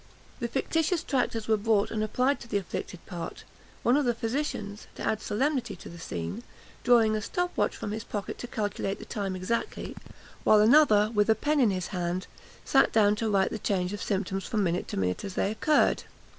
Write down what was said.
The fictitious tractors were brought and applied to the afflicted part, one of the physicians, to add solemnity to the scene, drawing a stop watch from his pocket to calculate the time exactly, while another, with a pen in his hand, sat down to write the change of symptoms from minute to minute as they occurred.